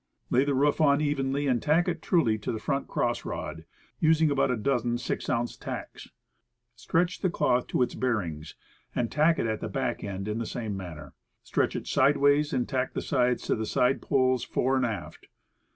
Lay the roof on evenly, and tack it truly to the front cross rod, using about a dozen six ounce tacks. Stretch the cloth to its bear ings, and tack it at the back end in the same manner. Stretch it sidewise and tack the sides to the side poles, fore and aft.